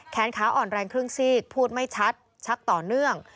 ขาอ่อนแรงครึ่งซีกพูดไม่ชัดชักต่อเนื่อง